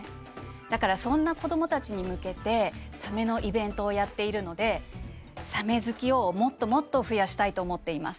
だからそんな子どもたちに向けてサメのイベントをやっているのでサメ好きをもっともっと増やしたいと思っています。